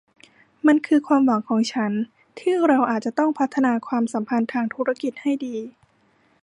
มันคือความหวังของฉันที่เราอาจจะต้องพัฒนาความสัมพันธ์ทางธุรกิจให้ดี